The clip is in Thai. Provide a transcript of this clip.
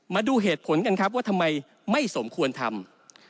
มาดูเหตุผลกันครับว่าทำไมไม่สมควรทำ